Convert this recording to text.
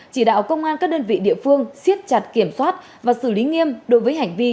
chỉ đạo công an các đơn vị địa phương siết chặt kiểm soát và xử lý nghiêm đối với hành vi